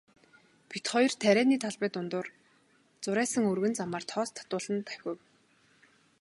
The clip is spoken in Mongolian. Бид хоёр тарианы талбай дундуур зурайсан өргөн замаар тоос татуулан давхив.